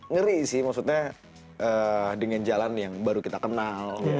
ngeri sih maksudnya dengan jalan yang baru kita kenal